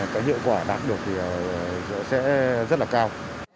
cái hiệu quả đạt được thì nó sẽ rất là cao